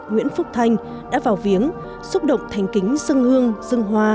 nguyễn phúc thanh đã vào viếng xúc động thành kính dân hương dân hoa